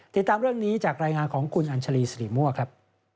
ติดตามเรื่องนี้จากรายงานของคุณอัญชาลีสิริมั่วครับ